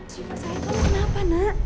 siva saya tau kenapa nak